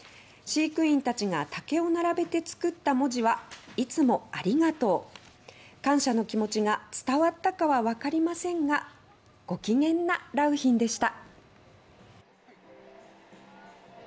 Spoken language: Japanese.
飼育員たちが竹を並べて作った文字は「いつもありがとう」。感謝の気持ちが伝わったかはわかりませんがごきげんな良浜でした。